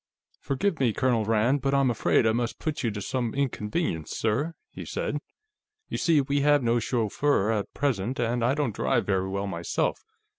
"Forgive me, Colonel Rand, but I'm afraid I must put you to some inconvenience, sir," he said. "You see, we have no chauffeur, at present, and I don't drive very well, myself.